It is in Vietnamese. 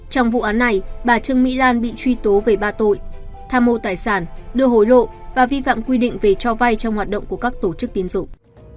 trong vụ án này bà trương mỹ lan bị truy tố về ba tội tham mô tài sản đưa hối lộ và vi phạm quy định về cho vay trong hoạt động của các tổ chức tiến dụng